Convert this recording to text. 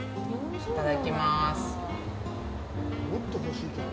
いただきます。